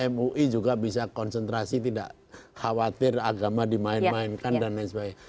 mui juga bisa konsentrasi tidak khawatir agama dimain mainkan dan lain sebagainya